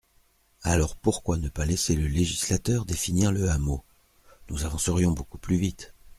Alors, pourquoi ne pas laisser le législateur définir le hameau ? Nous avancerions beaucoup plus vite.